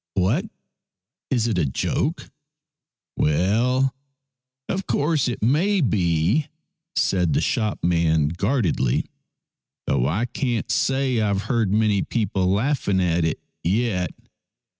" What ! is it a joke ?"" Well, of course it may be," said the shop man guardedly, "though I can't say I've heard many people laughing at it yet.